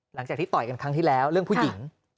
หลังจากที่ต่อยกันครั้งที่แล้วเรื่องผู้หญิง